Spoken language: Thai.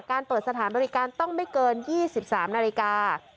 เปิดสถานบริการต้องไม่เกิน๒๓นาฬิกา